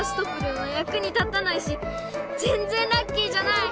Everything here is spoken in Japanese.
はやくに立たないしぜんぜんラッキーじゃない！